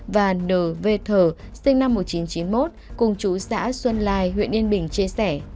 và nv thờ sinh năm một nghìn chín trăm chín mươi một cùng chú xã xuân lai huyện yên bình chia sẻ